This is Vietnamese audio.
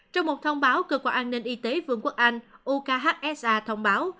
trong một thông báo cơ quan an ninh y tế vương quốc anh ukhsa thông báo